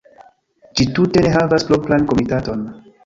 Ĝi tute ne havas propran komitaton.